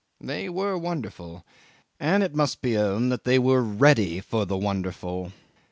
They were wonderful; and it must be owned they were ready for the wonderful.